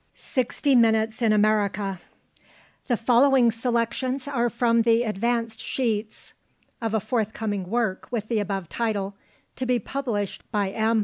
Sixty Minutes in America. The following selections are from the advance sheets of a forthcoming work with the above title, to be published by M.